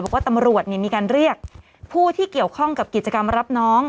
บอกว่าตำรวจมีการเรียกผู้ที่เกี่ยวข้องกับกิจกรรมรับน้อง